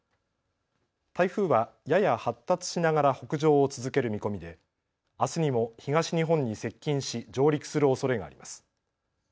台風は、やや発達しながら北上を続ける見込みであすにも東日本に接近し上陸するおそれがあります。